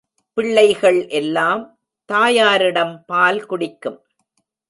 பிள்ளைகள் எல்லாம் தாயாரிடம் பால் குடிக்கும்.